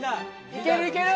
いけるいける。